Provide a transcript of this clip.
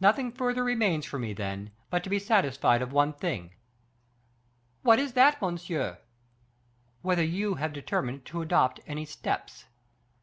Nothing further remains for me, then, but to be satisfied of one thing." "What is that, monsieur?" "Whether you have determined to adopt any steps."